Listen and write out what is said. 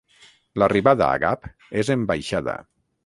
L'arribada a Gap és en baixada.